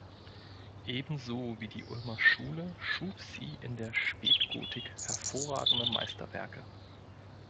Ebenso wie die Ulmer Schule schuf sie in der Spätgotik hervorragende Meisterwerke.